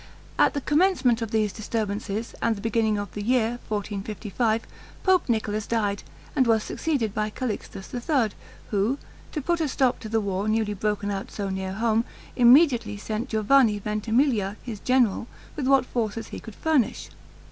At the commencement of these disturbances, and the beginning of the year 1455, Pope Nicholas died, and was succeeded by Calixtus III., who, to put a stop to the war newly broken out so near home, immediately sent Giovanni Ventimiglia, his general, with what forces he could furnish.